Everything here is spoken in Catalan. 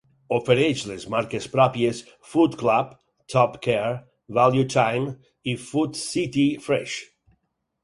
Ofereix les marques pròpies "Food Club", "Top Care", "ValuTime" i "Food City Fresh!".